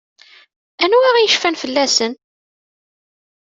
Anwa i yecfan fell-asen?